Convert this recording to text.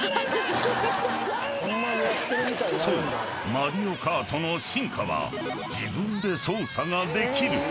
マリオカートの進化は自分で操作ができる］